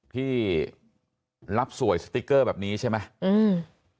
ที่รับสวยสติ๊กเกอร์แบบนี้ใช่ไหมอืม